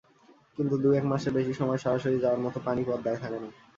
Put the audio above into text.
কিন্তু দু-এক মাসের বেশি সময় সরাসরি যাওয়ার মতো পানি পদ্মায় থাকে না।